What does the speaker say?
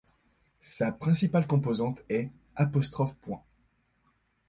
Sa principale composante est '.